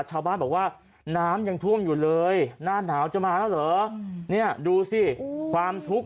ชาวบ้านบอกว่าน้ำยังท่วมอยู่เลยหน้าหนาวจะมาแล้วเหรอเนี่ยดูสิความทุกข์